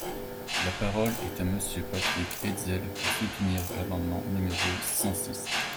La parole est à Monsieur Patrick Hetzel, pour soutenir l’amendement numéro cent six.